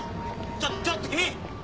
ちょっちょっと君！